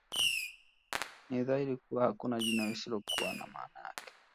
Ni dhahiri kuwa hakuna jina lisilokuwa na maana yake